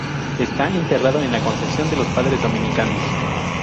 Está enterrado en la concesión de los Padres Dominicanos.